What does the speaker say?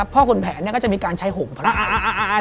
พ่อขุนแผนก็จะมีการใช้โหมพลาย